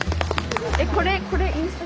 えっこれインスタ